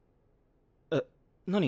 えっ何？